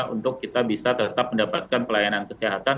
untuk kita bisa tetap mendapatkan pelayanan kesehatan